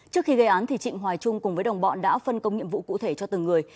trước khi gây án trịnh hoài trung cùng với đồng bọn đã phân công nhiệm vụ cụ thể cho từng người